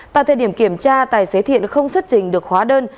tại thời điểm kiểm tra tài xế thiện không xuất trình được hóa đơn